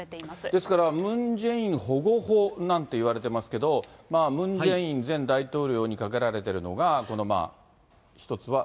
ですから、ムン・ジェイン保護法なんていわれてますけど、ムン・ジェイン前大統領にかけられているのが、この一つは。